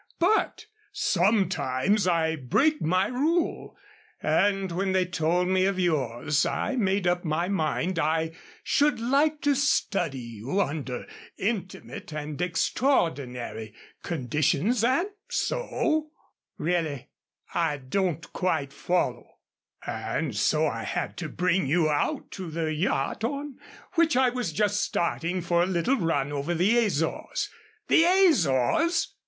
But sometimes I break my rule, and when they told me of yours I made up my mind I should like to study you under intimate and extraordinary conditions and so " "Really, I don't quite follow " "And so I had to bring you out to the yacht on which I was just starting for a little run over to the Azores." "The Azores!"